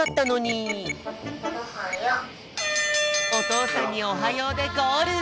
おとうさんに「おはよう」でゴール！